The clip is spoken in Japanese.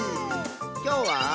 きょうは。